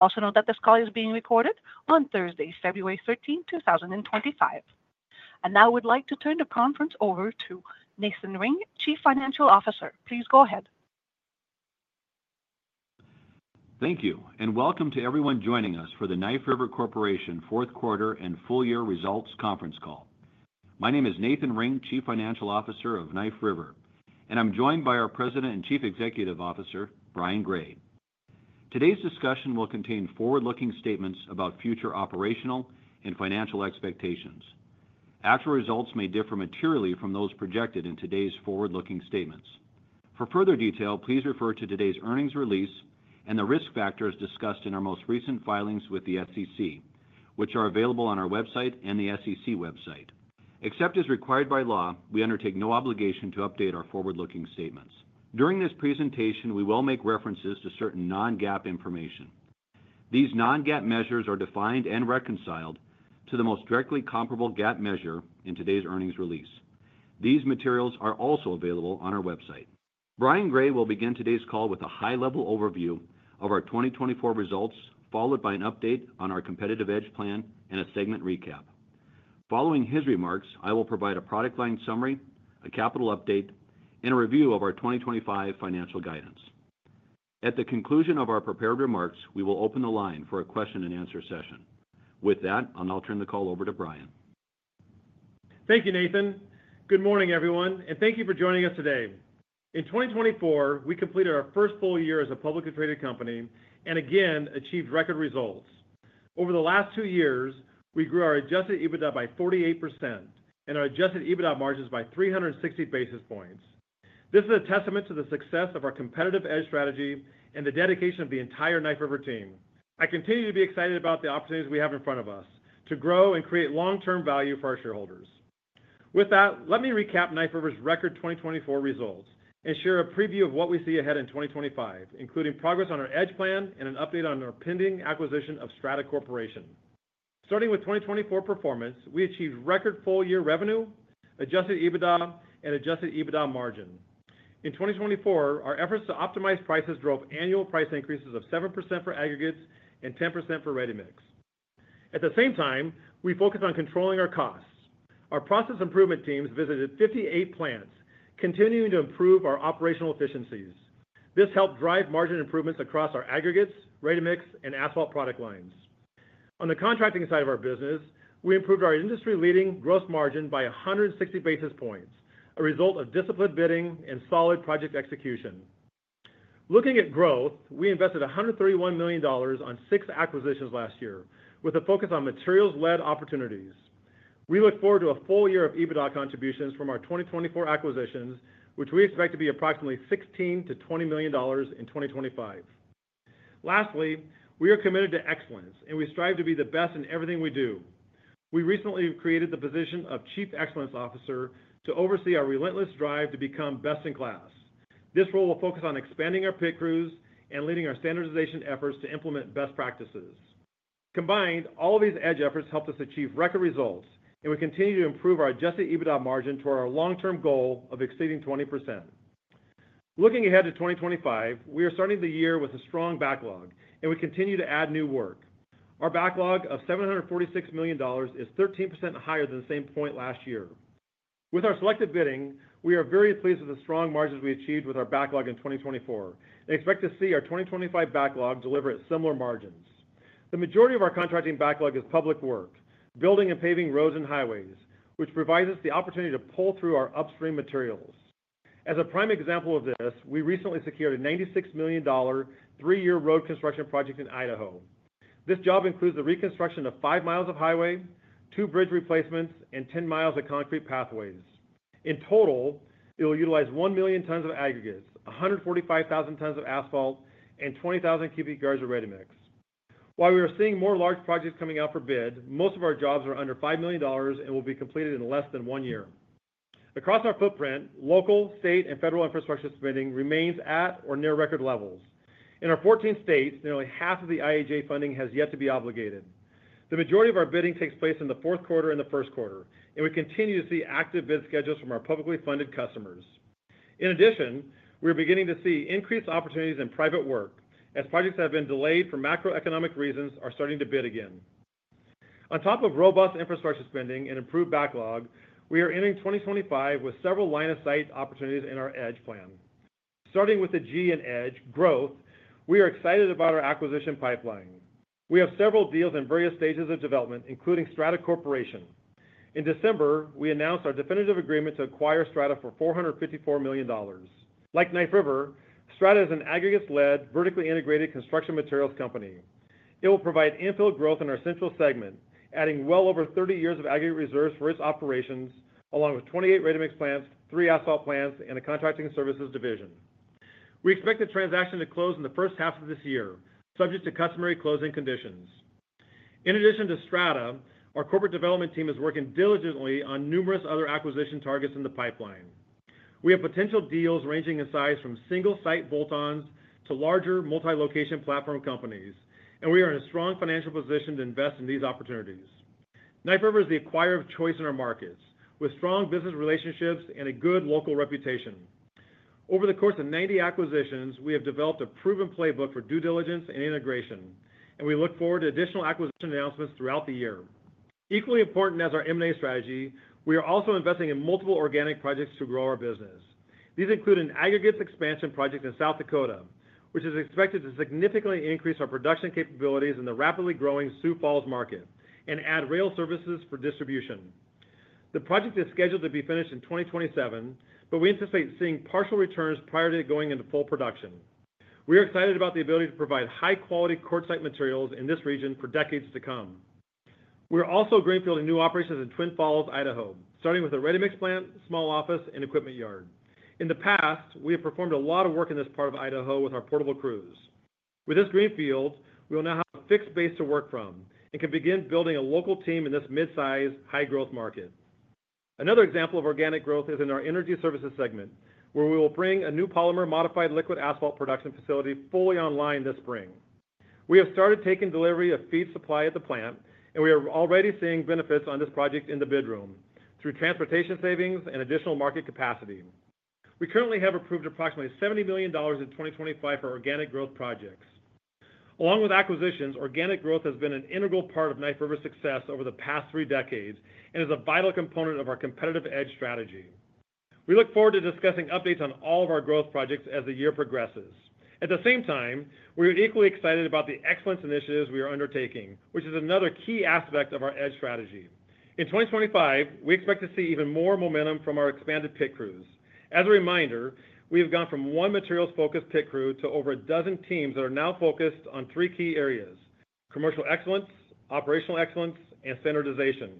Also note that this call is being recorded on Thursday, February 13, 2025. And now I would like to turn the conference over to Nathan Ring, Chief Financial Officer. Please go ahead. Thank you, and welcome to everyone joining us for the Knife River Corporation Fourth Quarter and Full Year Results Conference Call. My name is Nathan Ring, Chief Financial Officer of Knife River, and I'm joined by our President and Chief Executive Officer, Brian Gray. Today's discussion will contain forward-looking statements about future operational and financial expectations. Actual results may differ materially from those projected in today's forward-looking statements. For further detail, please refer to today's earnings release and the risk factors discussed in our most recent filings with the SEC, which are available on our website and the SEC website. Except as required by law, we undertake no obligation to update our forward-looking statements. During this presentation, we will make references to certain non-GAAP information. These non-GAAP measures are defined and reconciled to the most directly comparable GAAP measure in today's earnings release. These materials are also available on our website. Brian Gray will begin today's call with a high-level overview of our 2024 results, followed by an update on our competitive EDGE plan and a segment recap. Following his remarks, I will provide a product line summary, a capital update, and a review of our 2025 financial guidance. At the conclusion of our prepared remarks, we will open the line for a question-and-answer session. With that, I'll now turn the call over to Brian. Thank you, Nathan. Good morning, everyone, and thank you for joining us today. In 2024, we completed our first full year as a publicly traded company and again achieved record results. Over the last two years, we grew our adjusted EBITDA by 48% and our adjusted EBITDA margins by 360 basis points. This is a testament to the success of our competitive EDGE strategy and the dedication of the entire Knife River team. I continue to be excited about the opportunities we have in front of us to grow and create long-term value for our shareholders. With that, let me recap Knife River's record 2024 results and share a preview of what we see ahead in 2025, including progress on our EDGE plan and an update on our pending acquisition of Stavola Corporation. Starting with 2024 performance, we achieved record full-year revenue, adjusted EBITDA, and adjusted EBITDA margin. In 2024, our efforts to optimize prices drove annual price increases of 7% for aggregates and 10% for ready-mix. At the same time, we focused on controlling our costs. Our Process Improvement Teams visited 58 plants, continuing to improve our operational efficiencies. This helped drive margin improvements across our aggregates, ready-mix, and asphalt product lines. On the contracting side of our business, we improved our industry-leading gross margin by 160 basis points, a result of disciplined bidding and solid project execution. Looking at growth, we invested $131 million on six acquisitions last year, with a focus on materials-led opportunities. We look forward to a full year of EBITDA contributions from our 2024 acquisitions, which we expect to be approximately $16 million-$20 million in 2025. Lastly, we are committed to excellence, and we strive to be the best in everything we do. We recently created the position of Chief Excellence Officer to oversee our relentless drive to become best in class. This role will focus on expanding PIT Crews and leading our standardization efforts to implement best practices. Combined, all of these EDGE efforts helped us achieve record results, and we continue to improve our adjusted EBITDA margin toward our long-term goal of exceeding 20%. Looking ahead to 2025, we are starting the year with a strong backlog, and we continue to add new work. Our backlog of $746 million is 13% higher than the same point last year. With our selective bidding, we are very pleased with the strong margins we achieved with our backlog in 2024 and expect to see our 2025 backlog deliver at similar margins. The majority of our contracting backlog is public work, building and paving roads and highways, which provides us the opportunity to pull through our upstream materials. As a prime example of this, we recently secured a $96 million three-year road construction project in Idaho. This job includes the reconstruction of five miles of highway, two bridge replacements, and 10 miles of concrete pathways. In total, it will utilize one million tons of aggregates, 145,000 tons of asphalt, and 20,000 cubic yards of ready-mix. While we are seeing more large projects coming out for bid, most of our jobs are under $5 million and will be completed in less than one year. Across our footprint, local, state, and federal infrastructure spending remains at or near record levels. In our 14 states, nearly half of the IIJA funding has yet to be obligated. The majority of our bidding takes place in the fourth quarter and the first quarter, and we continue to see active bid schedules from our publicly funded customers. In addition, we are beginning to see increased opportunities in private work as projects that have been delayed for macroeconomic reasons are starting to bid again. On top of robust infrastructure spending and improved backlog, we are entering 2025 with several line-of-sight opportunities in our EDGE plan. Starting with the G in EDGE, growth, we are excited about our acquisition pipeline. We have several deals in various stages of development, including Strata Corporation. In December, we announced our definitive agreement to acquire Strata for $454 million. Like Knife River, Strata is an aggregates-led, vertically integrated construction materials company. It will provide infill growth in our Central segment, adding well over 30 years of aggregate reserves for its operations, along with 28 ready-mix plants, three asphalt plants, and a contracting services division. We expect the transaction to close in the first half of this year, subject to customary closing conditions. In addition to Strata, our corporate development team is working diligently on numerous other acquisition targets in the pipeline. We have potential deals ranging in size from single-site bolt-ons to larger multi-location platform companies, and we are in a strong financial position to invest in these opportunities. Knife River is the acquirer of choice in our markets, with strong business relationships and a good local reputation. Over the course of 90 acquisitions, we have developed a proven playbook for due diligence and integration, and we look forward to additional acquisition announcements throughout the year. Equally important as our M&A strategy, we are also investing in multiple organic projects to grow our business. These include an aggregates expansion project in South Dakota, which is expected to significantly increase our production capabilities in the rapidly growing Sioux Falls market and add rail services for distribution. The project is scheduled to be finished in 2027, but we anticipate seeing partial returns prior to going into full production. We are excited about the ability to provide high-quality coarse materials in this region for decades to come. We are also greenfielding new operations in Twin Falls, Idaho, starting with a ready-mix plant, small office, and equipment yard. In the past, we have performed a lot of work in this part of Idaho with our portable crews. With this greenfield, we will now have a fixed base to work from and can begin building a local team in this mid-size, high-growth market. Another example of organic growth is in our Energy Services segment, where we will bring a new polymer modified liquid asphalt production facility fully online this spring. We have started taking delivery of feed supply at the plant, and we are already seeing benefits on this project in the bid room through transportation savings and additional market capacity. We currently have approved approximately $70 million in 2025 for organic growth projects. Along with acquisitions, organic growth has been an integral part of Knife River's success over the past three decades and is a vital component of our competitive EDGE strategy. We look forward to discussing updates on all of our growth projects as the year progresses. At the same time, we are equally excited about the excellence initiatives we are undertaking, which is another key aspect of our EDGE strategy. In 2025, we expect to see even more momentum from our PIT Crews. as a reminder, we have gone from one materials-focused PIT Crew to over a dozen teams that are now focused on three key areas: commercial excellence, operational excellence, and standardization.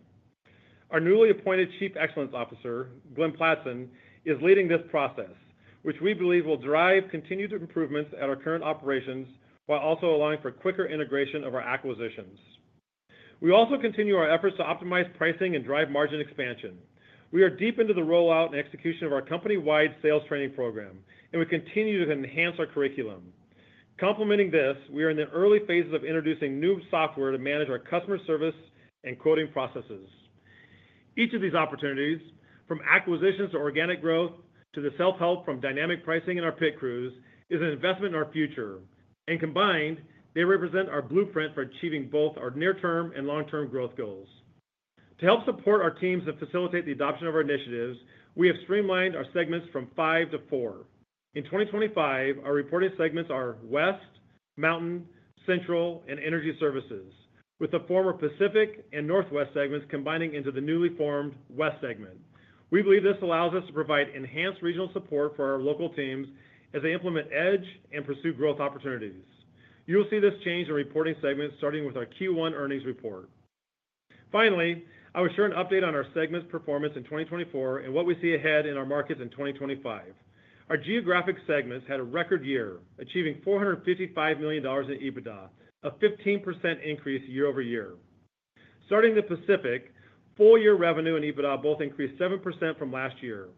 Our newly appointed Chief Excellence Officer, Glenn Pladsen, is leading this process, which we believe will drive continued improvements at our current operations while also allowing for quicker integration of our acquisitions. We also continue our efforts to optimize pricing and drive margin expansion. We are deep into the rollout and execution of our company-wide sales training program, and we continue to enhance our curriculum. Complementing this, we are in the early phases of introducing new software to manage our customer service and quoting processes. Each of these opportunities, from acquisitions to organic growth to the self-help from dynamic pricing in PIT Crews, is an investment in our future, and combined, they represent our blueprint for achieving both our near-term and long-term growth goals. To help support our teams and facilitate the adoption of our initiatives, we have streamlined our segments from five to four. In 2025, our reported segments are West, Mountain, Central, and Energy Services, with the former Pacific and Northwest segments combining into the newly formed West segment. We believe this allows us to provide enhanced regional support for our local teams as they implement EDGE and pursue growth opportunities. You will see this change in reporting segments, starting with our Q1 earnings report. Finally, I will share an update on our segments' performance in 2024 and what we see ahead in our markets in 2025. Our geographic segments had a record year, achieving $455 million in EBITDA, a 15% increase year-over-year. Starting the Pacific, full-year revenue and EBITDA both increased 7% from last year.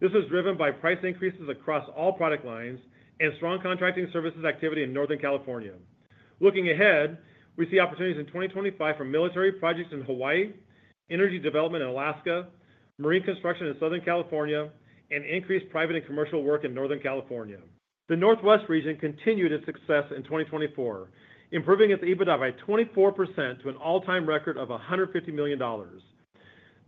This was driven by price increases across all product lines and strong contracting services activity in Northern California. Looking ahead, we see opportunities in 2025 for military projects in Hawaii, energy development in Alaska, marine construction in Southern California, and increased private and commercial work in Northern California. The Northwest region continued its success in 2024, improving its EBITDA by 24% to an all-time record of $150 million.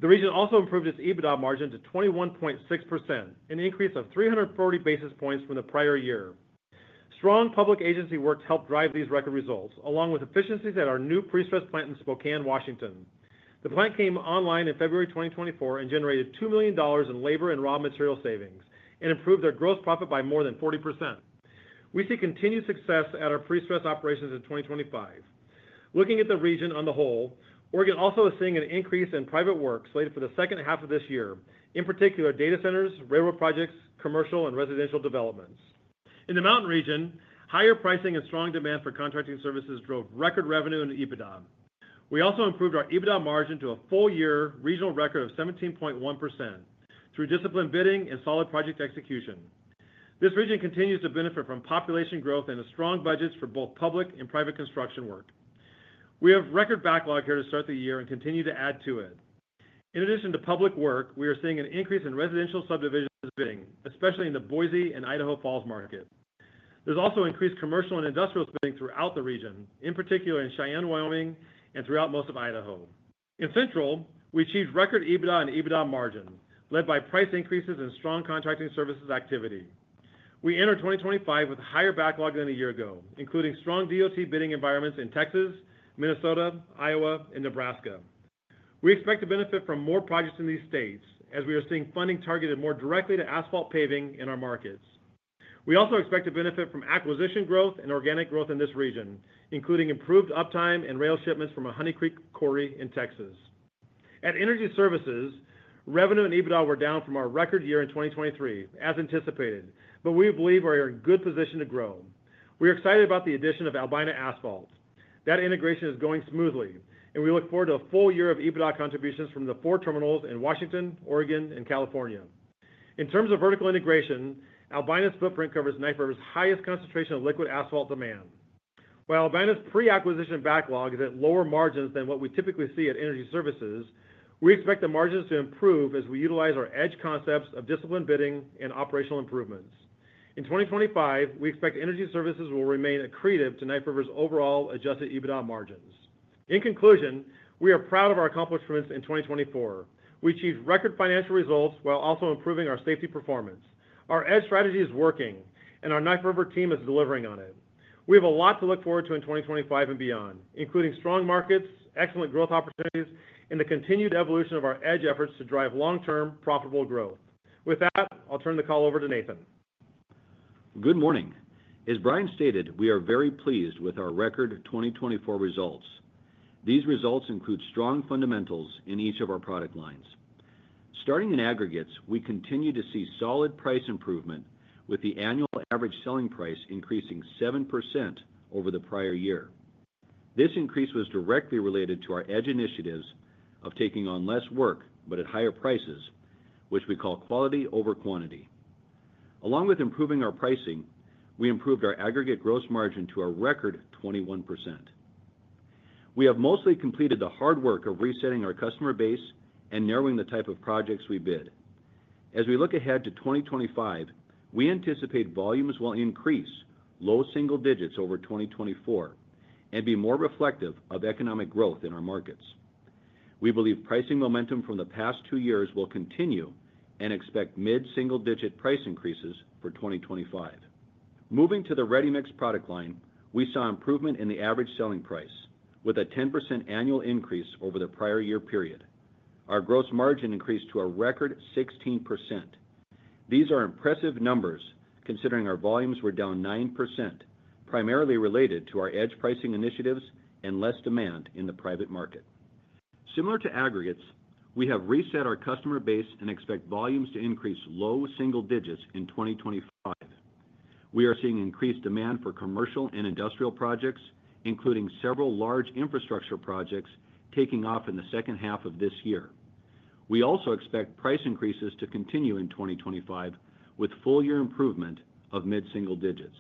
The region also improved its EBITDA margin to 21.6%, an increase of 340 basis points from the prior year. Strong public agency work helped drive these record results, along with efficiencies at our new Prestress plant in Spokane, Washington. The plant came online in February 2024 and generated $2 million in labor and raw material savings and improved their gross profit by more than 40%. We see continued success at our Prestress operations in 2025. Looking at the region on the whole, Oregon also is seeing an increase in private work slated for the second half of this year, in particular data centers, railroad projects, commercial, and residential developments. In the Mountain region, higher pricing and strong demand for contracting services drove record revenue and EBITDA. We also improved our EBITDA margin to a full-year regional record of 17.1% through disciplined bidding and solid project execution. This region continues to benefit from population growth and strong budgets for both public and private construction work. We have record backlog here to start the year and continue to add to it. In addition to public work, we are seeing an increase in residential subdivisions bidding, especially in the Boise and Idaho Falls market. There's also increased commercial and industrial bidding throughout the region, in particular in Cheyenne, Wyoming, and throughout most of Idaho. In Central, we achieved record EBITDA and EBITDA margin, led by price increases and strong contracting services activity. We enter 2025 with higher backlog than a year ago, including strong DOT bidding environments in Texas, Minnesota, Iowa, and Nebraska. We expect to benefit from more projects in these states as we are seeing funding targeted more directly to asphalt paving in our markets. We also expect to benefit from acquisition growth and organic growth in this region, including improved uptime and rail shipments from a Honey Creek Quarry in Texas. At Energy Services, revenue and EBITDA were down from our record year in 2023, as anticipated, but we believe we are in a good position to grow. We are excited about the addition of Albina Asphalt. That integration is going smoothly, and we look forward to a full year of EBITDA contributions from the four terminals in Washington, Oregon, and California. In terms of vertical integration, Albina's footprint covers Knife River's highest concentration of liquid asphalt demand. While Albina's pre-acquisition backlog is at lower margins than what we typically see at Energy Services, we expect the margins to improve as we utilize our EDGE concepts of disciplined bidding and operational improvements. In 2025, we expect Energy Services will remain accretive to Knife River's overall adjusted EBITDA margins. In conclusion, we are proud of our accomplishments in 2024. We achieved record financial results while also improving our safety performance. Our EDGE strategy is working, and our Knife River team is delivering on it. We have a lot to look forward to in 2025 and beyond, including strong markets, excellent growth opportunities, and the continued evolution of our EDGE efforts to drive long-term profitable growth. With that, I'll turn the call over to Nathan. Good morning. As Brian stated, we are very pleased with our record 2024 results. These results include strong fundamentals in each of our product lines. Starting in aggregates, we continue to see solid price improvement, with the annual average selling price increasing 7% over the prior year. This increase was directly related to our EDGE initiatives of taking on less work but at higher prices, which we call quality over quantity. Along with improving our pricing, we improved our aggregate gross margin to a record 21%. We have mostly completed the hard work of resetting our customer base and narrowing the type of projects we bid. As we look ahead to 2025, we anticipate volumes will increase low single digits over 2024 and be more reflective of economic growth in our markets. We believe pricing momentum from the past two years will continue and expect mid-single-digit price increases for 2025. Moving to the ready-mix product line, we saw improvement in the average selling price with a 10% annual increase over the prior year period. Our gross margin increased to a record 16%. These are impressive numbers considering our volumes were down 9%, primarily related to our EDGE pricing initiatives and less demand in the private market. Similar to aggregates, we have reset our customer base and expect volumes to increase low single digits in 2025. We are seeing increased demand for commercial and industrial projects, including several large infrastructure projects taking off in the second half of this year. We also expect price increases to continue in 2025 with full-year improvement of mid-single digits.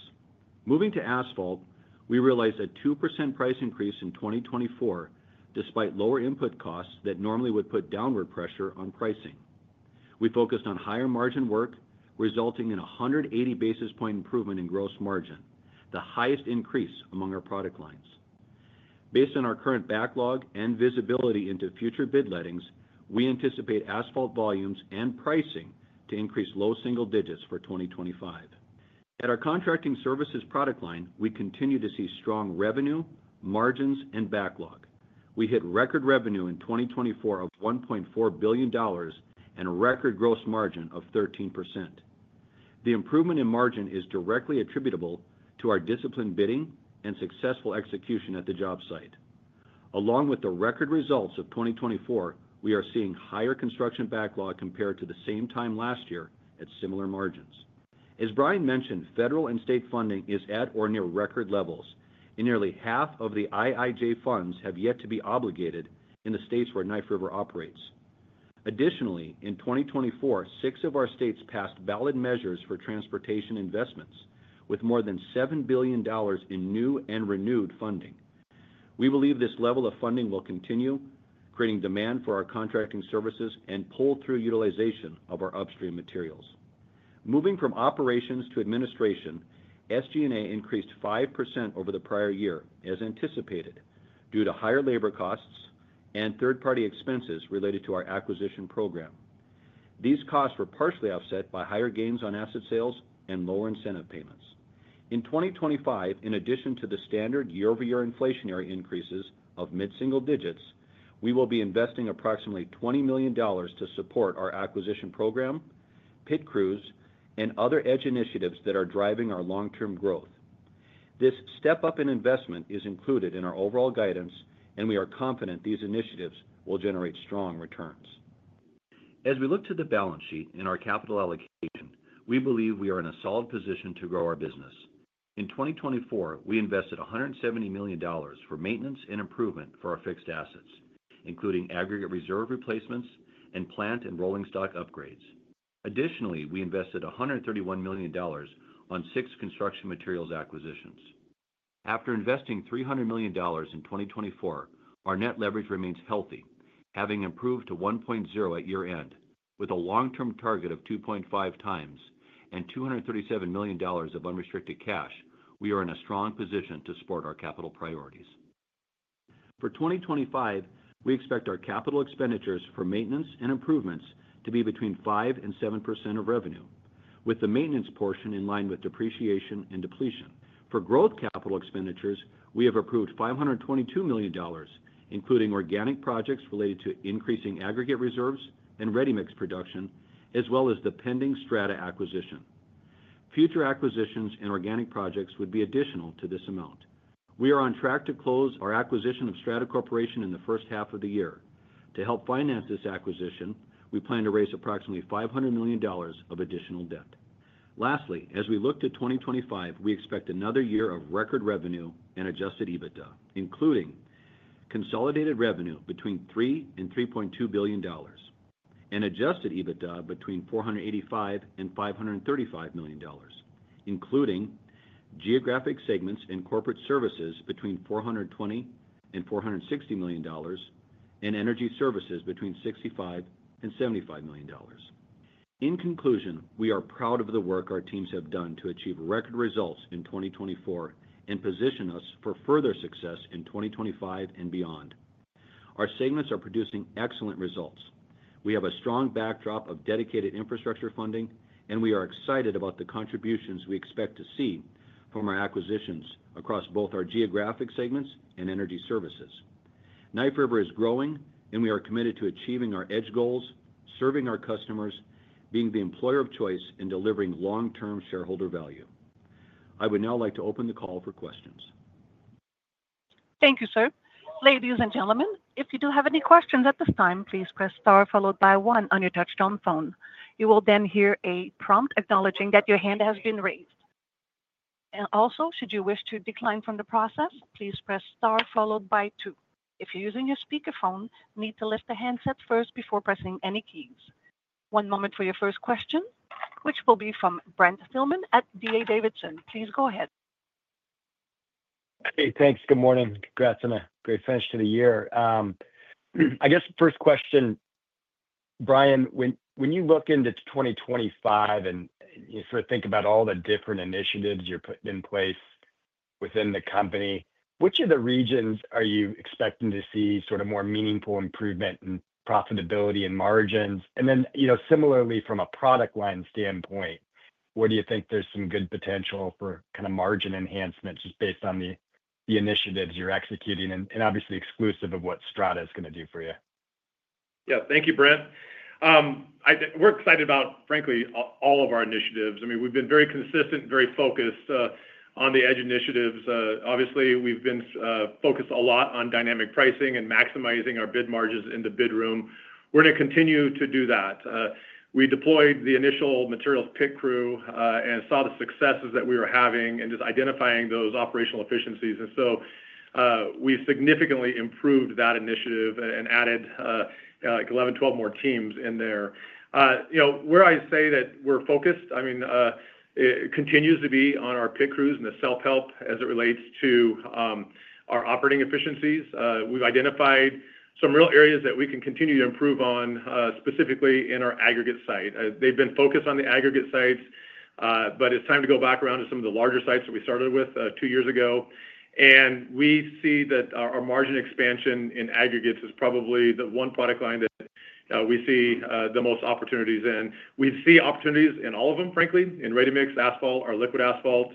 Moving to asphalt, we realized a 2% price increase in 2024 despite lower input costs that normally would put downward pressure on pricing. We focused on higher margin work, resulting in a 180 basis points improvement in gross margin, the highest increase among our product lines. Based on our current backlog and visibility into future bid lettings, we anticipate asphalt volumes and pricing to increase low single digits for 2025. At our contracting services product line, we continue to see strong revenue, margins, and backlog. We hit record revenue in 2024 of $1.4 billion and a record gross margin of 13%. The improvement in margin is directly attributable to our disciplined bidding and successful execution at the job site. Along with the record results of 2024, we are seeing higher construction backlog compared to the same time last year at similar margins. As Brian mentioned, federal and state funding is at or near record levels, and nearly half of the IIJA funds have yet to be obligated in the states where Knife River operates. Additionally, in 2024, six of our states passed ballot measures for transportation investments, with more than $7 billion in new and renewed funding. We believe this level of funding will continue, creating demand for our contracting services and pull-through utilization of our upstream materials. Moving from operations to administration, SG&A increased 5% over the prior year, as anticipated, due to higher labor costs and third-party expenses related to our acquisition program. These costs were partially offset by higher gains on asset sales and lower incentive payments. In 2025, in addition to the standard year-over-year inflationary increases of mid-single digits, we will be investing approximately $20 million to support our acquisition PIT Crews, and other EDGE initiatives that are driving our long-term growth. This step-up in investment is included in our overall guidance, and we are confident these initiatives will generate strong returns. As we look to the balance sheet and our capital allocation, we believe we are in a solid position to grow our business. In 2024, we invested $170 million for maintenance and improvement for our fixed assets, including aggregate reserve replacements and plant and rolling stock upgrades. Additionally, we invested $131 million on six construction materials acquisitions. After investing $300 million in 2024, our net leverage remains healthy, having improved to 1.0 at year-end. With a long-term target of 2.5 times and $237 million of unrestricted cash, we are in a strong position to support our capital priorities. For 2025, we expect our capital expenditures for maintenance and improvements to be between 5% and 7% of revenue, with the maintenance portion in line with depreciation and depletion. For growth capital expenditures, we have approved $522 million, including organic projects related to increasing aggregate reserves and ready-mix production, as well as the pending Strata acquisition. Future acquisitions and organic projects would be additional to this amount. We are on track to close our acquisition of Strata Corporation in the first half of the year. To help finance this acquisition, we plan to raise approximately $500 million of additional debt. Lastly, as we look to 2025, we expect another year of record revenue and adjusted EBITDA, including consolidated revenue between $3 billion and $3.2 billion, and adjusted EBITDA between $485 million and $535 million, including geographic segments and corporate services between $420 million and $460 million, and energy services between $65 million and $75 million. In conclusion, we are proud of the work our teams have done to achieve record results in 2024 and position us for further success in 2025 and beyond. Our segments are producing excellent results. We have a strong backdrop of dedicated infrastructure funding, and we are excited about the contributions we expect to see from our acquisitions across both our geographic segments and energy services. Knife River is growing, and we are committed to achieving our EDGE goals, serving our customers, being the employer of choice, and delivering long-term shareholder value. I would now like to open the call for questions. Thank you, sir. Ladies and gentlemen, if you do have any questions at this time, please press star followed by one on your touch-tone phone. You will then hear a prompt acknowledging that your hand has been raised, and also, should you wish to decline from the process, please press star followed by two. If you're using your speakerphone, you need to lift the handset first before pressing any keys. One moment for your first question, which will be from Brent Thielman at D.A. Davidson. Please go ahead. Hey, thanks. Good morning. Congrats on a great finish to the year. I guess first question, Brian, when you look into 2025 and you sort of think about all the different initiatives you're putting in place within the company, which of the regions are you expecting to see sort of more meaningful improvement in profitability and margins? And then, similarly, from a product line standpoint, where do you think there's some good potential for kind of margin enhancement just based on the initiatives you're executing and obviously exclusive of what Strata is going to do for you? Yeah, thank you, Brent. We're excited about, frankly, all of our initiatives. I mean, we've been very consistent, very focused on the EDGE initiatives. Obviously, we've been focused a lot on dynamic pricing and maximizing our bid margins in the bid room. We're going to continue to do that. We deployed the initial materials PIT Crew and saw the successes that we were having and just identifying those operational efficiencies, and so we've significantly improved that initiative and added 11, 12 more teams in there. Where I say that we're focused, I mean, it continues to be on PIT Crews and the self-help as it relates to our operating efficiencies. We've identified some real areas that we can continue to improve on, specifically in our aggregate site. They've been focused on the aggregate sites, but it's time to go back around to some of the larger sites that we started with two years ago, and we see that our margin expansion in aggregates is probably the one product line that we see the most opportunities in. We see opportunities in all of them, frankly, in ready-mix, asphalt, our liquid asphalt,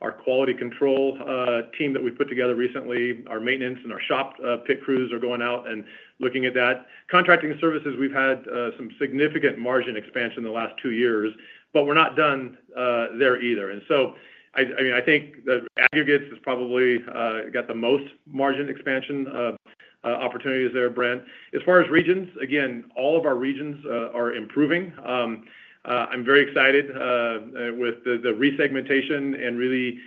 our quality control team that we put together recently, our maintenance, and our PIT Crews are going out and looking at that. Contracting services, we've had some significant margin expansion in the last two years, but we're not done there either. And so, I mean, I think the aggregates has probably got the most margin expansion opportunities there, Brent. As far as regions, again, all of our regions are improving. I'm very excited with the re-segmentation and really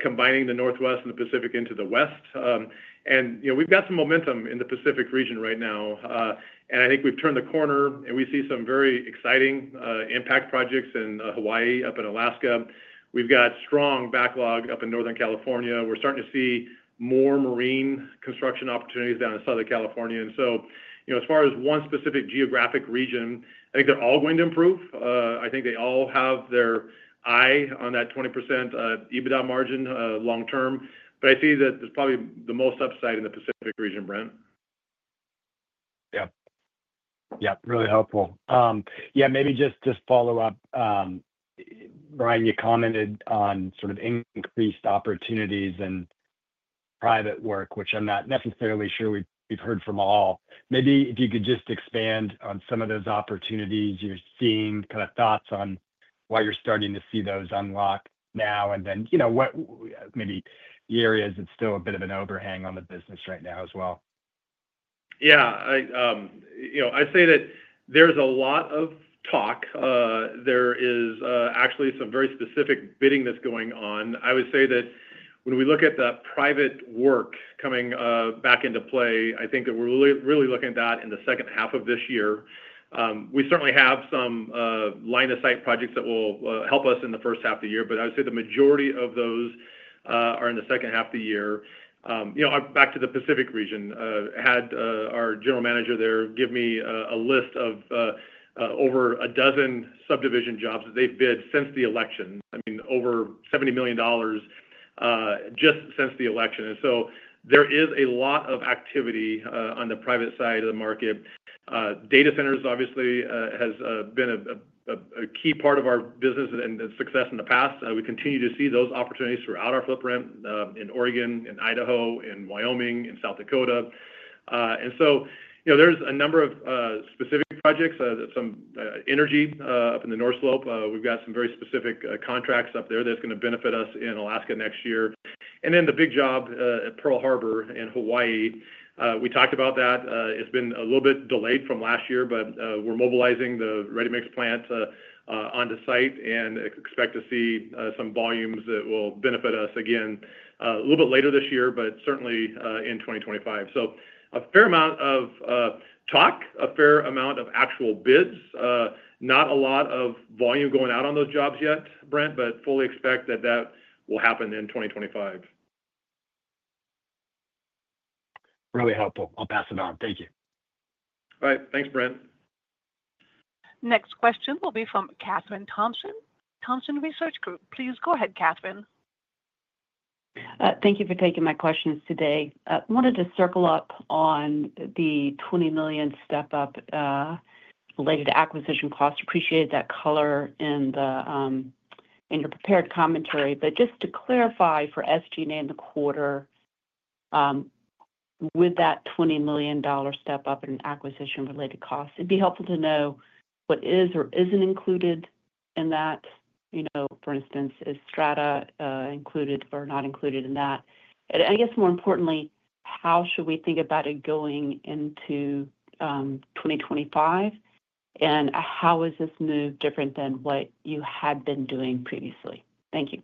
combining the Northwest and the Pacific into the West. And we've got some momentum in the Pacific region right now. And I think we've turned the corner and we see some very exciting impact projects in Hawaii up in Alaska. We've got strong backlog up in Northern California. We're starting to see more marine construction opportunities down in Southern California. And so, as far as one specific geographic region, I think they're all going to improve. I think they all have their eye on that 20% EBITDA margin long-term. But I see that there's probably the most upside in the Pacific region, Brent. Yeah. Yeah, really helpful. Yeah, maybe just to follow up, Brian, you commented on sort of increased opportunities and private work, which I'm not necessarily sure we've heard from all. Maybe if you could just expand on some of those opportunities you're seeing, kind of thoughts on why you're starting to see those unlock now and then maybe the areas that's still a bit of an overhang on the business right now as well. Yeah. I say that there's a lot of talk. There is actually some very specific bidding that's going on. I would say that when we look at the private work coming back into play, I think that we're really looking at that in the second half of this year. We certainly have some line-of-sight projects that will help us in the first half of the year, but I would say the majority of those are in the second half of the year. Back to the Pacific region, I had our general manager there give me a list of over a dozen subdivision jobs that they've bid since the election. I mean, over $70 million just since the election. And so there is a lot of activity on the private side of the market. Data centers, obviously, have been a key part of our business and success in the past. We continue to see those opportunities throughout our footprint in Oregon, in Idaho, in Wyoming, in South Dakota. And so there's a number of specific projects, some energy up in the North Slope. We've got some very specific contracts up there that's going to benefit us in Alaska next year. And then the big job at Pearl Harbor in Hawaii. We talked about that. It's been a little bit delayed from last year, but we're mobilizing the ready-mix plant onto site and expect to see some volumes that will benefit us again a little bit later this year, but certainly in 2025. So a fair amount of talk, a fair amount of actual bids. Not a lot of volume going out on those jobs yet, Brent, but fully expect that that will happen in 2025. Really helpful. I'll pass it on. Thank you. All right. Thanks, Brent. Next question will be from Kathryn Thompson, Thompson Research Group. Please go ahead, Kathryn. Thank you for taking my questions today. I wanted to circle up on the $20 million step-up related to acquisition costs. Appreciated that color in your prepared commentary. But just to clarify for SG&A in the quarter, with that $20 million step-up in acquisition-related costs, it'd be helpful to know what is or isn't included in that. For instance, is Strata included or not included in that? And I guess more importantly, how should we think about it going into 2025? And how is this move different than what you had been doing previously? Thank you.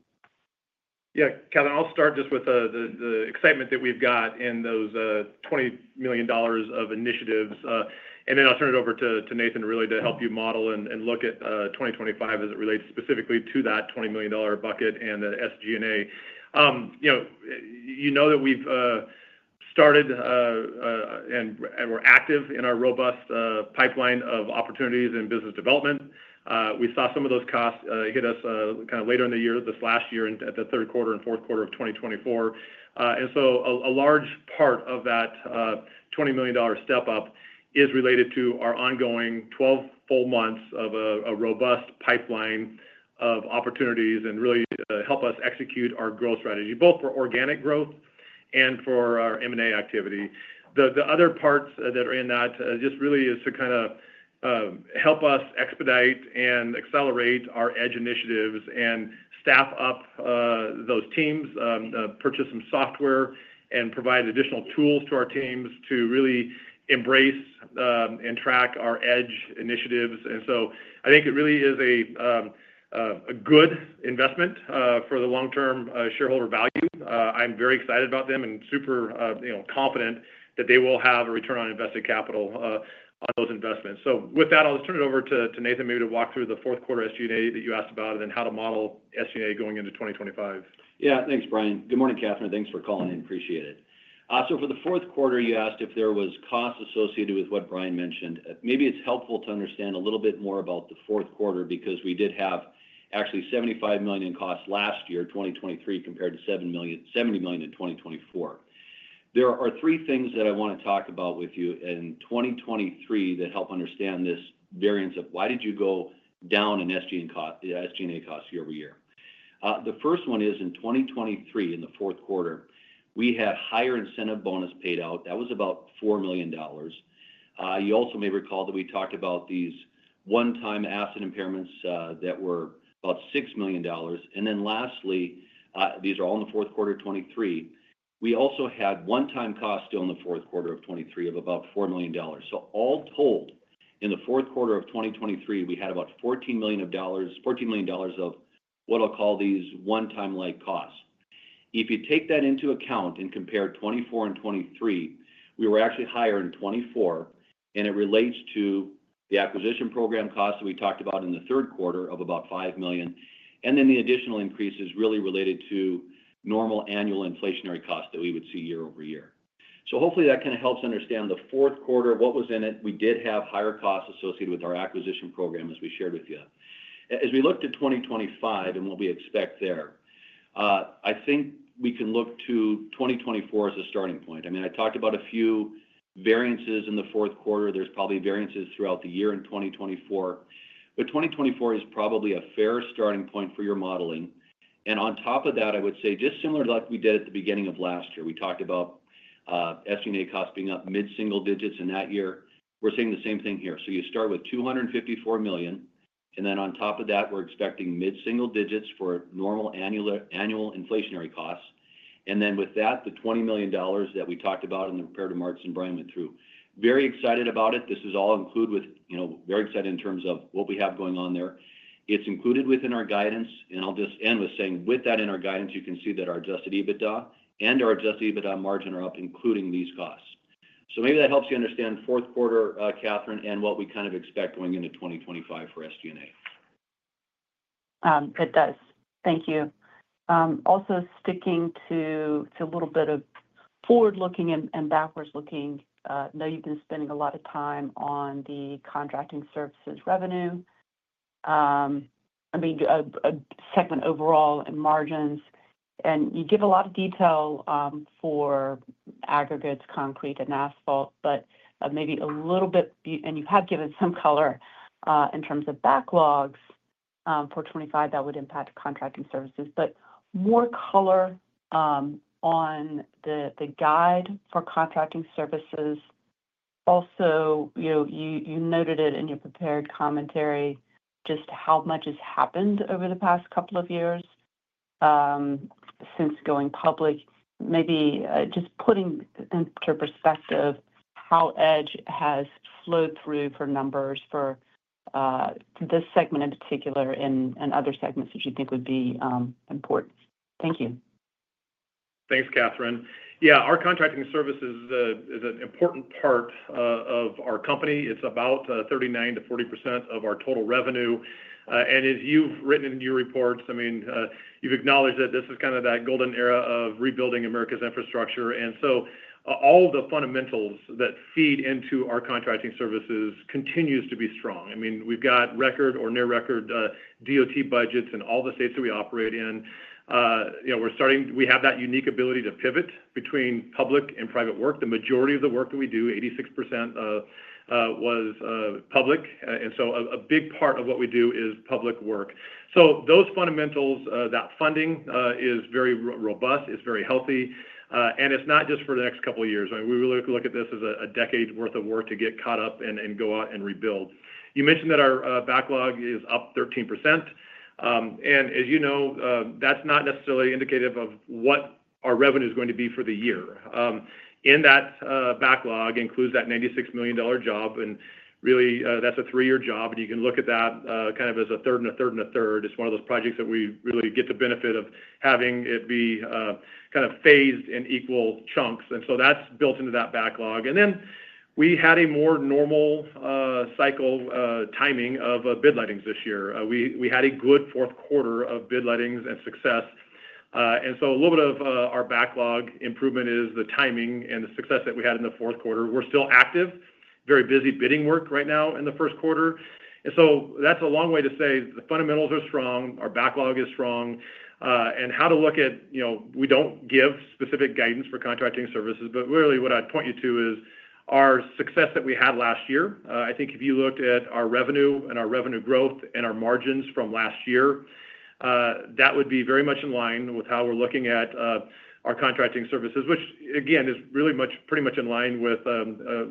Yeah, Kathryn, I'll start just with the excitement that we've got in those $20 million of initiatives. And then I'll turn it over to Nathan really to help you model and look at 2025 as it relates specifically to that $20 million bucket and the SG&A. You know that we've started and we're active in our robust pipeline of opportunities and business development. We saw some of those costs hit us kind of later in the year, this last year at the third quarter and fourth quarter of 2024, and so a large part of that $20 million step-up is related to our ongoing 12 full months of a robust pipeline of opportunities and really help us execute our growth strategy, both for organic growth and for our M&A activity. The other parts that are in that just really is to kind of help us expedite and accelerate our EDGE initiatives and staff up those teams, purchase some software, and provide additional tools to our teams to really embrace and track our EDGE initiatives, and so I think it really is a good investment for the long-term shareholder value. I'm very excited about them and super confident that they will have a return on invested capital on those investments. So with that, I'll just turn it over to Nathan maybe to walk through the fourth quarter SG&A that you asked about and then how to model SG&A going into 2025. Yeah, thanks, Brian. Good morning, Kathryn. Thanks for calling in. Appreciate it. So for the fourth quarter, you asked if there was cost associated with what Brian mentioned. Maybe it's helpful to understand a little bit more about the fourth quarter because we did have actually $75 million in cost last year, 2023, compared to $70 million in 2024. There are three things that I want to talk about with you in 2023 that help understand this variance of why did you go down in SG&A costs year-over-year. The first one is in 2023, in the fourth quarter, we had higher incentive bonus paid out. That was about $4 million. You also may recall that we talked about these one-time asset impairments that were about $6 million. And then lastly, these are all in the fourth quarter of 2023. We also had one-time costs still in the fourth quarter of 2023 of about $4 million. So all told, in the fourth quarter of 2023, we had about $14 million of what I'll call these one-time-like costs. If you take that into account and compare 2024 and 2023, we were actually higher in 2024, and it relates to the acquisition program costs that we talked about in the third quarter of about $5 million. And then the additional increase is really related to normal annual inflationary costs that we would see year-over-year. Hopefully that kind of helps understand the fourth quarter, what was in it. We did have higher costs associated with our acquisition program, as we shared with you. As we look to 2025 and what we expect there, I think we can look to 2024 as a starting point. I mean, I talked about a few variances in the fourth quarter. There's probably variances throughout the year in 2024. But 2024 is probably a fair starting point for your modeling. And on top of that, I would say just similar to what we did at the beginning of last year, we talked about SG&A costs being up mid-single digits in that year. We're saying the same thing here. So you start with $254 million. And then on top of that, we're expecting mid-single digits for normal annual inflationary costs. Then with that, the $20 million that we talked about in the comparative marks and Brian went through. Very excited about it. This is all included with very excited in terms of what we have going on there. It's included within our guidance. And I'll just end with saying with that in our guidance, you can see that our adjusted EBITDA and our adjusted EBITDA margin are up, including these costs. So maybe that helps you understand fourth quarter, Kathryn, and what we kind of expect going into 2025 for SG&A. It does. Thank you. Also sticking to a little bit of forward-looking and backwards-looking, I know you've been spending a lot of time on the contracting services revenue. I mean, a segment overall and margins. And you give a lot of detail for aggregates, concrete, and asphalt, but maybe a little bit, and you have given some color in terms of backlogs for 2025 that would impact contracting services. But more color on the guide for contracting services. Also, you noted it in your prepared commentary just how much has happened over the past couple of years since going public. Maybe just putting into perspective how EDGE has flowed through for numbers for this segment in particular and other segments that you think would be important. Thank you. Thanks, Kathryn. Yeah, our contracting service is an important part of our company. It's about 39%-40% of our total revenue. And as you've written in your reports, I mean, you've acknowledged that this is kind of that golden era of rebuilding America's infrastructure. And so all of the fundamentals that feed into our contracting services continues to be strong. I mean, we've got record or near record DOT budgets in all the states that we operate in. We have that unique ability to pivot between public and private work. The majority of the work that we do, 86%, was public. And so a big part of what we do is public work. So those fundamentals, that funding is very robust, is very healthy. And it's not just for the next couple of years. I mean, we really look at this as a decade's worth of work to get caught up and go out and rebuild. You mentioned that our backlog is up 13%. And as you know, that's not necessarily indicative of what our revenue is going to be for the year. In that backlog includes that $96 million job. And really, that's a three-year job. You can look at that kind of as a third and a third and a third. It's one of those projects that we really get the benefit of having it be kind of phased in equal chunks. So that's built into that backlog. Then we had a more normal cycle timing of bid lettings this year. We had a good fourth quarter of bid lettings and success. So a little bit of our backlog improvement is the timing and the success that we had in the fourth quarter. We're still active, very busy bidding work right now in the first quarter. That's a long way to say the fundamentals are strong, our backlog is strong. And how to look at we don't give specific guidance for contracting services, but really what I'd point you to is our success that we had last year. I think if you looked at our revenue and our revenue growth and our margins from last year, that would be very much in line with how we're looking at our contracting services, which, again, is pretty much in line with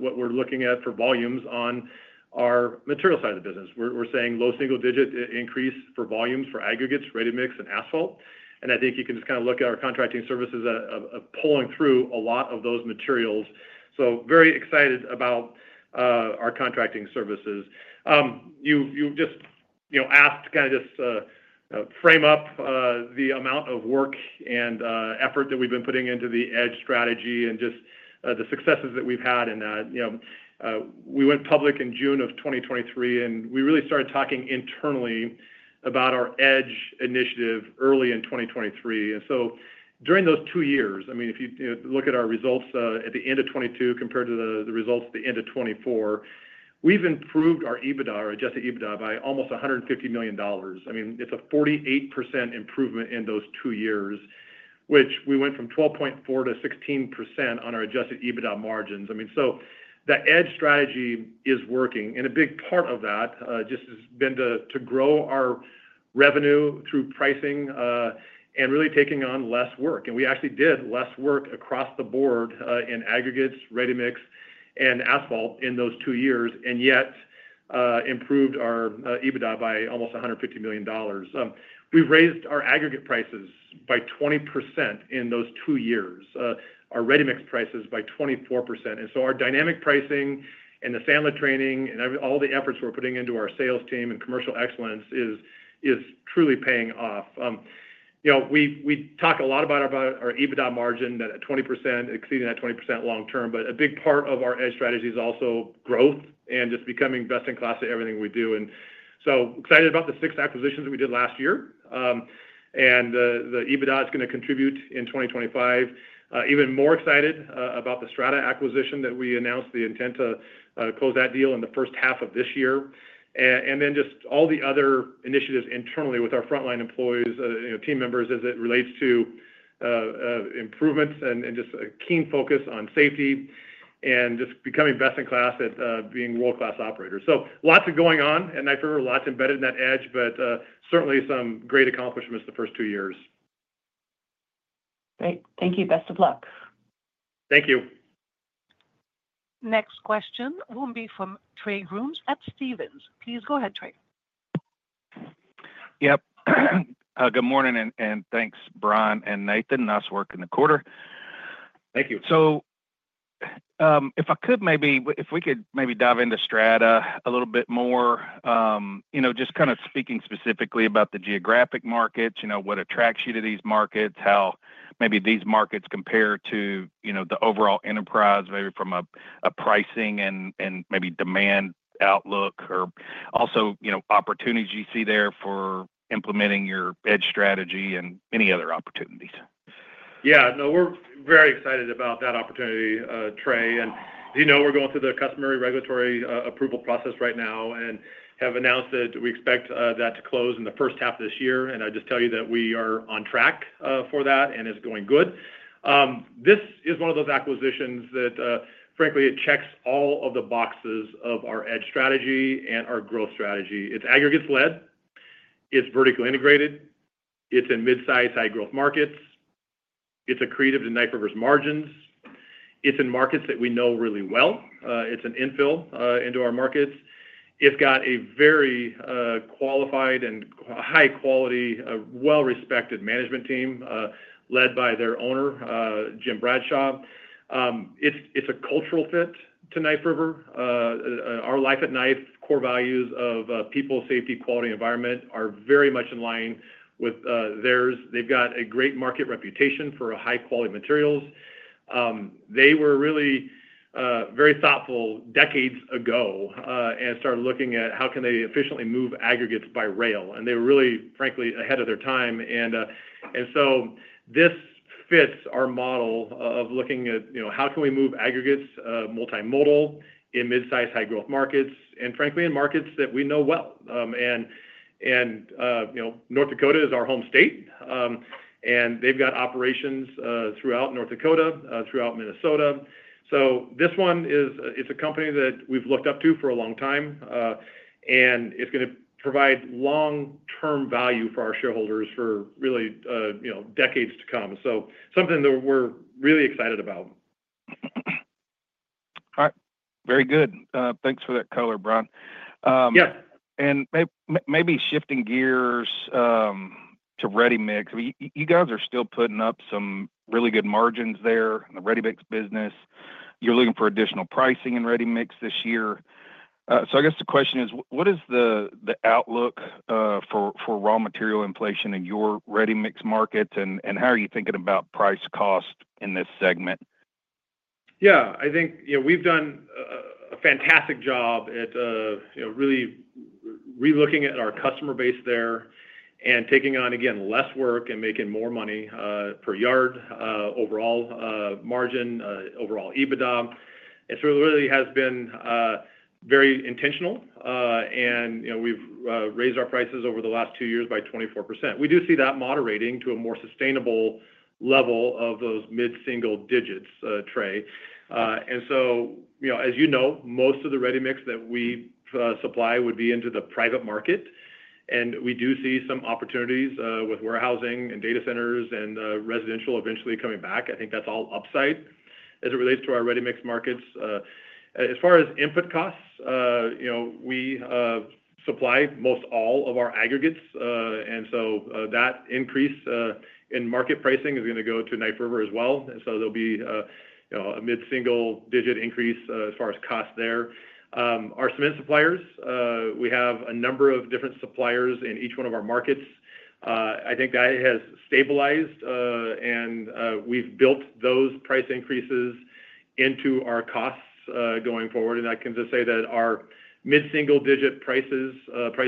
what we're looking at for volumes on our material side of the business. We're saying low single-digit increase for volumes for aggregates, ready-mix, and asphalt. And I think you can just kind of look at our contracting services of pulling through a lot of those materials. So very excited about our contracting services. You just asked to kind of just frame up the amount of work and effort that we've been putting into the EDGE strategy and just the successes that we've had in that. We went public in June of 2023, and we really started talking internally about our EDGE initiative early in 2023. And so during those two years, I mean, if you look at our results at the end of 2022 compared to the results at the end of 2024, we've improved our adjusted EBITDA by almost $150 million. I mean, it's a 48% improvement in those two years, which we went from 12.4%-16% on our adjusted EBITDA margins. I mean, so that EDGE strategy is working. And a big part of that just has been to grow our revenue through pricing and really taking on less work. And we actually did less work across the board in aggregates, ready-mix, and asphalt in those two years, and yet improved our EBITDA by almost $150 million. We've raised our aggregate prices by 20% in those two years, our ready-mix prices by 24%. And so our dynamic pricing and the Sandler training and all the efforts we're putting into our sales team and commercial excellence is truly paying off. We talk a lot about our EBITDA margin at 20%, exceeding that 20% long term, but a big part of our EDGE strategy is also growth and just becoming best in class at everything we do. And so excited about the six acquisitions that we did last year. And the EBITDA is going to contribute in 2025. Even more excited about the Strata acquisition that we announced the intent to close that deal in the first half of this year, and then just all the other initiatives internally with our frontline employees, team members as it relates to improvements and just a keen focus on safety and just becoming best in class at being world-class operators. So lots of going on, and I feel lots embedded in that EDGE, but certainly some great accomplishments the first two years. Great. Thank you. Best of luck. Thank you. Next question will be from Trey Grooms at Stephens. Please go ahead, Trey. Yep. Good morning, and thanks, Brian and Nathan and us working the quarter. Thank you. So if I could maybe if we could maybe dive into Strata a little bit more, just kind of speaking specifically about the geographic markets, what attracts you to these markets, how maybe these markets compare to the overall enterprise, maybe from a pricing and maybe demand outlook, or also opportunities you see there for implementing your EDGE strategy and any other opportunities. Yeah. No, we're very excited about that opportunity, Trey. And we're going through the customary regulatory approval process right now and have announced that we expect that to close in the first half of this year. And I just tell you that we are on track for that, and it's going good. This is one of those acquisitions that, frankly, it checks all of the boxes of our EDGE strategy and our growth strategy. It's aggregates-led. It's vertically integrated. It's in mid-size, high-growth markets. It's accretive to Knife River's margins. It's in markets that we know really well. It's an infill into our markets. It's got a very qualified and high-quality, well-respected management team led by their owner, Jim Bradshaw. It's a cultural fit to Knife River. Our Life at Knife, core values of people, safety, quality, environment are very much in line with theirs. They've got a great market reputation for high-quality materials. They were really very thoughtful decades ago and started looking at how can they efficiently move aggregates by rail. And they were really, frankly, ahead of their time. And so this fits our model of looking at how can we move aggregates multimodal in mid-size, high-growth markets, and frankly, in markets that we know well. And North Dakota is our home state. And they've got operations throughout North Dakota, throughout Minnesota. So this one is a company that we've looked up to for a long time, and it's going to provide long-term value for our shareholders for really decades to come. So something that we're really excited about. All right. Very good. Thanks for that color, Brian. And maybe shifting gears to ready-mix. You guys are still putting up some really good margins there in the ready-mix business. You're looking for additional pricing in ready-mix this year. So I guess the question is, what is the outlook for raw material inflation in your ready-mix markets, and how are you thinking about price cost in this segment? Yeah. I think we've done a fantastic job at really relooking at our customer base there and taking on, again, less work and making more money per yard overall margin, overall EBITDA. It really has been very intentional, and we've raised our prices over the last two years by 24%. We do see that moderating to a more sustainable level of those mid-single digits, Trey. And so, as you know, most of the ready-mix that we supply would be into the private market. And we do see some opportunities with warehousing and data centers and residential eventually coming back. I think that's all upside as it relates to our ready-mix markets. As far as input costs, we supply most all of our aggregates. And so that increase in market pricing is going to go to Knife River as well. And so there'll be a mid-single digit increase as far as cost there. Our cement suppliers, we have a number of different suppliers in each one of our markets. I think that has stabilized, and we've built those price increases into our costs going forward, and I can just say that our mid-single digit price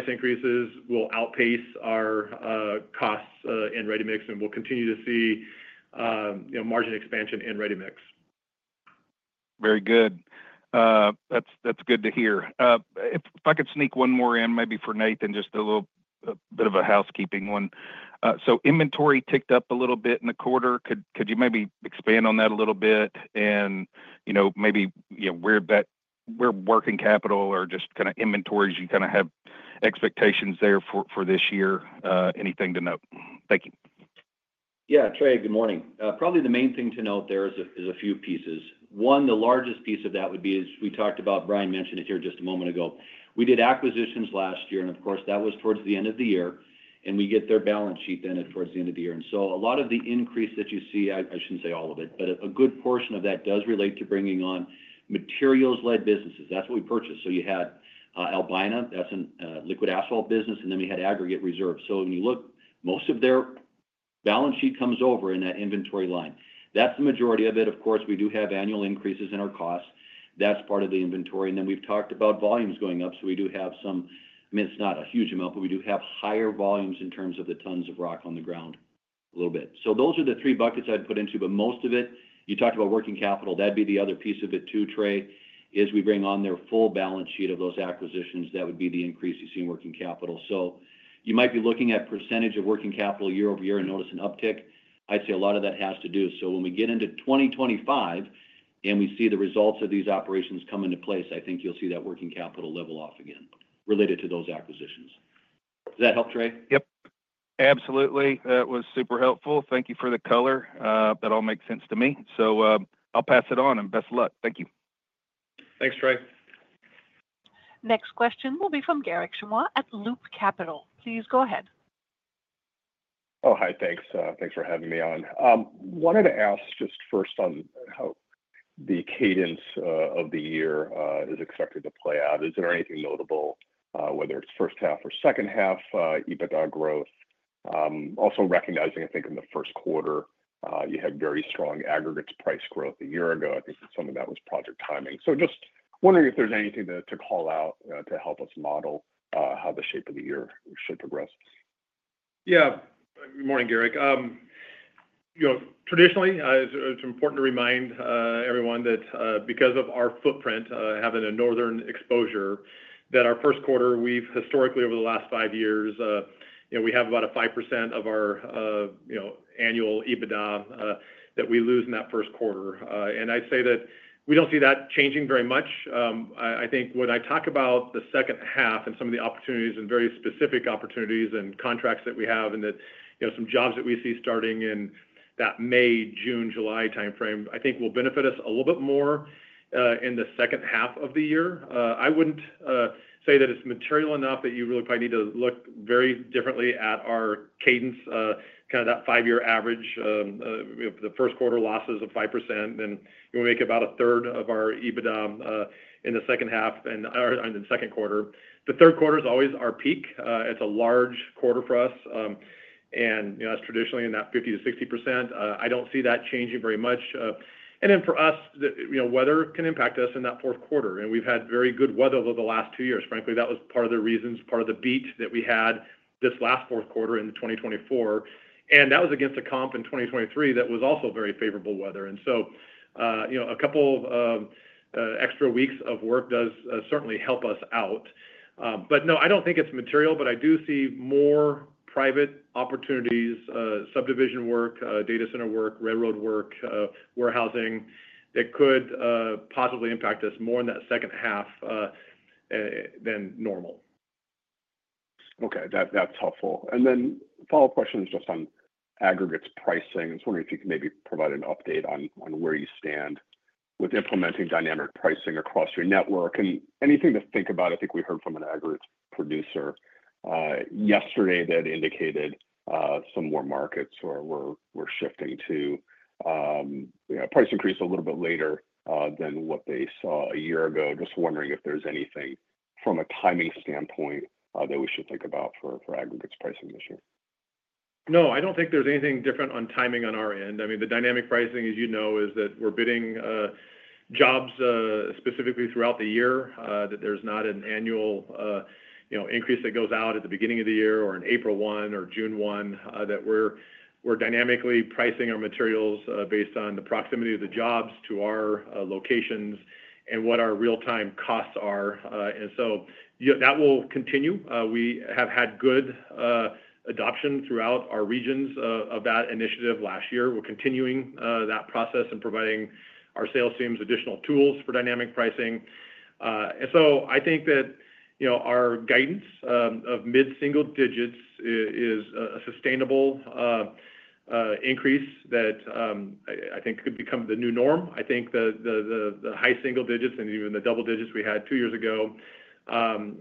increases will outpace our costs in ready-mix, and we'll continue to see margin expansion in ready-mix. Very good. That's good to hear. If I could sneak one more in, maybe for Nathan, just a little bit of a housekeeping one. So inventory ticked up a little bit in the quarter. Could you maybe expand on that a little bit and maybe where working capital or just kind of inventories you kind of have expectations there for this year? Anything to note? Thank you. Yeah. Trey, good morning. Probably the main thing to note there is a few pieces. One, the largest piece of that would be, as we talked about, Brian mentioned it here just a moment ago. We did acquisitions last year, and of course, that was towards the end of the year, and we get their balance sheet then towards the end of the year, and so a lot of the increase that you see, I shouldn't say all of it, but a good portion of that does relate to bringing on materials-led businesses that's what we purchased, so you had Albina, that's a liquid asphalt business, and then we had aggregate reserves. So when you look, most of their balance sheet comes over in that inventory line. That's the majority of it. Of course, we do have annual increases in our costs. That's part of the inventory. And then we've talked about volumes going up. So we do have some, I mean, it's not a huge amount, but we do have higher volumes in terms of the tons of rock on the ground a little bit. So those are the three buckets I'd put into. But most of it, you talked about working capital. That'd be the other piece of it too, Trey, is we bring on their full balance sheet of those acquisitions. That would be the increase you see in working capital. So you might be looking at percentage of working capital year-over-year and notice an uptick. I'd say a lot of that has to do. So when we get into 2025 and we see the results of these operations come into place, I think you'll see that working capital level off again related to those acquisitions. Does that help, Trey? Yep. Absolutely. That was super helpful. Thank you for the color. That all makes sense to me. So I'll pass it on, and best of luck. Thank you. Thanks, Trey. Next question will be from Garik Shmois at Loop Capital. Please go ahead. Oh, hi. Thanks. Thanks for having me on. Wanted to ask just first on how the cadence of the year is expected to play out. Is there anything notable, whether it's first half or second half, EBITDA growth? Also recognizing, I think, in the first quarter, you had very strong aggregates price growth a year ago. I think some of that was project timing. So just wondering if there's anything to call out to help us model how the shape of the year should progress. Yeah. Good morning, Garik. Traditionally, it's important to remind everyone that because of our footprint, having a northern exposure, that our first quarter, we've historically, over the last five years, we have about 5% of our annual EBITDA that we lose in that first quarter. And I'd say that we don't see that changing very much. I think when I talk about the second half and some of the opportunities and very specific opportunities and contracts that we have and some jobs that we see starting in that May, June, July timeframe, I think will benefit us a little bit more in the second half of the year. I wouldn't say that it's material enough that you really probably need to look very differently at our cadence, kind of that five-year average, the first quarter losses of 5%, and we make about a third of our EBITDA in the second half and in the second quarter. The third quarter is always our peak. It's a large quarter for us, and that's traditionally in that 50%-60%. I don't see that changing very much, and then for us, weather can impact us in that fourth quarter. And we've had very good weather over the last two years. Frankly, that was part of the reasons, part of the beat that we had this last fourth quarter in 2024. And that was against a comp in 2023 that was also very favorable weather. And so a couple of extra weeks of work does certainly help us out. But no, I don't think it's material, but I do see more private opportunities, subdivision work, data center work, railroad work, warehousing that could possibly impact us more in that second half than normal. Okay. That's helpful. And then follow-up questions just on aggregates pricing. I was wondering if you could maybe provide an update on where you stand with implementing dynamic pricing across your network and anything to think about. I think we heard from an aggregates producer yesterday that indicated some more markets where we're shifting to price increase a little bit later than what they saw a year ago. Just wondering if there's anything from a timing standpoint that we should think about for aggregates pricing this year. No, I don't think there's anything different on timing on our end. I mean, the dynamic pricing, as you know, is that we're bidding jobs specifically throughout the year, that there's not an annual increase that goes out at the beginning of the year or in April 1 or June 1, that we're dynamically pricing our materials based on the proximity of the jobs to our locations and what our real-time costs are. And so that will continue. We have had good adoption throughout our regions of that initiative last year. We're continuing that process and providing our sales teams additional tools for dynamic pricing. And so I think that our guidance of mid-single digits is a sustainable increase that I think could become the new norm. I think the high single digits and even the double digits we had two years ago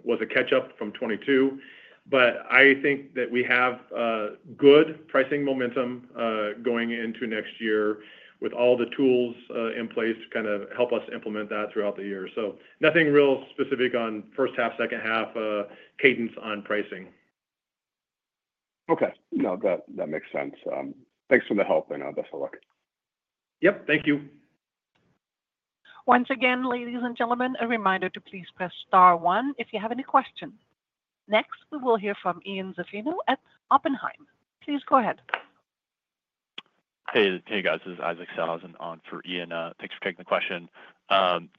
was a catch-up from 2022. But I think that we have good pricing momentum going into next year with all the tools in place to kind of help us implement that throughout the year. So nothing real specific on first half, second half cadence on pricing. Okay. No, that makes sense. Thanks for the help, and best of luck. Yep. Thank you. Once again, ladies and gentlemen, a reminder to please press star one if you have any questions. Next, we will hear from Ian Zaffino at Oppenheimer. Please go ahead. Hey, guys. This is Isaac Sellhausen on for Ian. Thanks for taking the question.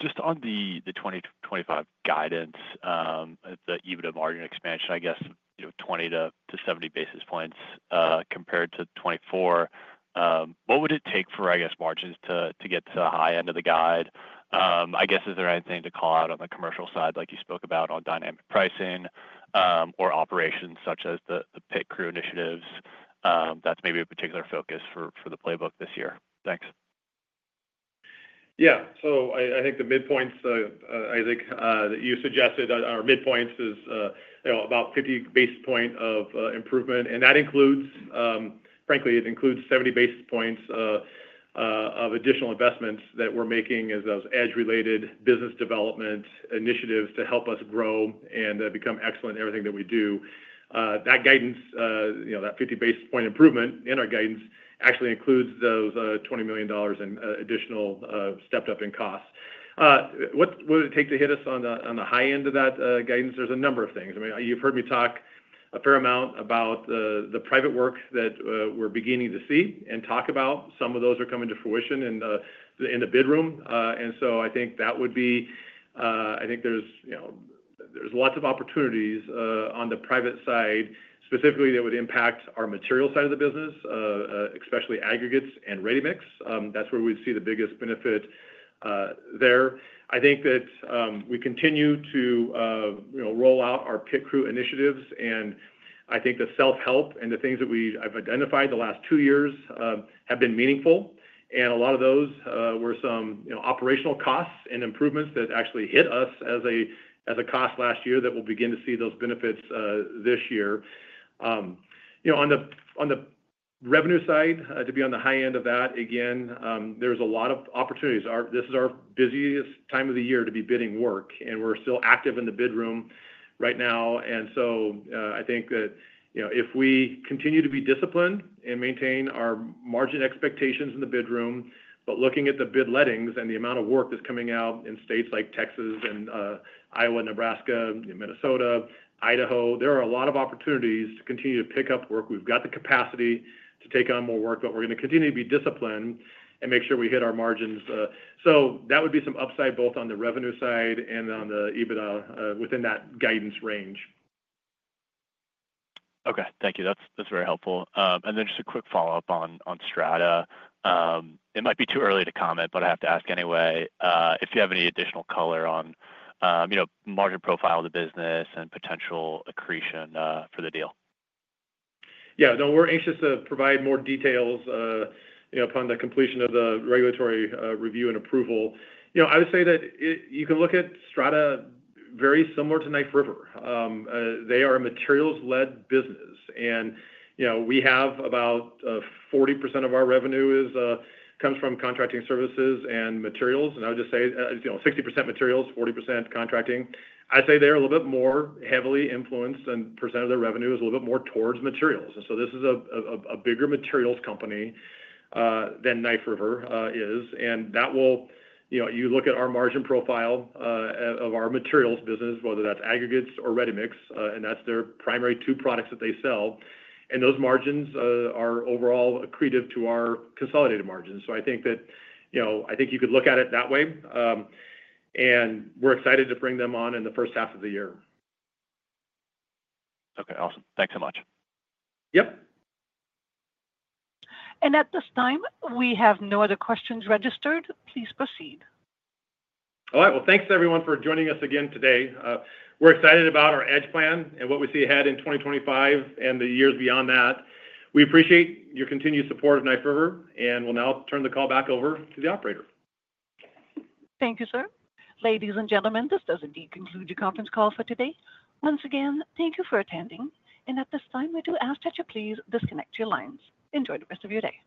Just on the 2025 guidance, the EBITDA margin expansion, I guess, 20-70 basis points compared to 2024, what would it take for, I guess, margins to get to the high end of the guide? I guess, is there anything to call out on the commercial side, like you spoke about, on dynamic pricing or operations such as the PIT Crew initiatives? That's maybe a particular focus for the playbook this year. Thanks. Yeah. So I think the midpoints, I think you suggested our midpoints is about 50 basis points of improvement. And that includes, frankly, it includes 70 basis points of additional investments that we're making as those EDGE-related business development initiatives to help us grow and become excellent in everything that we do. That guidance, that 50 basis point improvement in our guidance actually includes those $20 million in additional step-up in costs. What would it take to hit us on the high end of that guidance? There's a number of things. I mean, you've heard me talk a fair amount about the private work that we're beginning to see and talk about. Some of those are coming to fruition in the bid room. And so I think there's lots of opportunities on the private side, specifically that would impact our material side of the business, especially aggregates and ready-mix. That's where we'd see the biggest benefit there. I think that we continue to roll out our PIT Crew initiatives. And I think the self-help and the things that I've identified the last two years have been meaningful. And a lot of those were some operational costs and improvements that actually hit us as a cost last year that we'll begin to see those benefits this year. On the revenue side, to be on the high end of that, again, there's a lot of opportunities. This is our busiest time of the year to be bidding work, and we're still active in the bid room right now. And so I think that if we continue to be disciplined and maintain our margin expectations in the bid room, but looking at the bid lettings and the amount of work that's coming out in states like Texas and Iowa, Nebraska, Minnesota, Idaho, there are a lot of opportunities to continue to pick up work. We've got the capacity to take on more work, but we're going to continue to be disciplined and make sure we hit our margins. So that would be some upside both on the revenue side and on the EBITDA within that guidance range. Okay. Thank you. That's very helpful. And then just a quick follow-up on Strata. It might be too early to comment, but I have to ask anyway, if you have any additional color on margin profile of the business and potential accretion for the deal. Yeah. No, we're anxious to provide more details upon the completion of the regulatory review and approval. I would say that you can look at Strata very similar to Knife River. They are a materials-led business. And we have about 40% of our revenue comes from contracting services and materials. And I would just say 60% materials, 40% contracting. I'd say they're a little bit more heavily influenced, and percent of their revenue is a little bit more towards materials. And so this is a bigger materials company than Knife River is. And that will you look at our margin profile of our materials business, whether that's aggregates or ready-mix, and that's their primary two products that they sell. And those margins are overall accretive to our consolidated margins. So I think that I think you could look at it that way. And we're excited to bring them on in the first half of the year. Okay. Awesome. Thanks so much. Yep. And at this time, we have no other questions registered. Please proceed. All right. Well, thanks to everyone for joining us again today. We're excited about our EDGE plan and what we see ahead in 2025 and the years beyond that. We appreciate your continued support of Knife River. And we'll now turn the call back over to the operator. Thank you, sir. Ladies and gentlemen, this does indeed conclude your conference call for today. Once again, thank you for attending. At this time, we do ask that you please disconnect your lines. Enjoy the rest of your day.